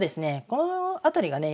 この辺りがね